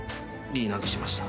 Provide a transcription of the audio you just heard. リーナグしました。